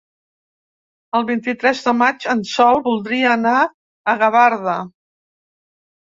El vint-i-tres de maig en Sol voldria anar a Gavarda.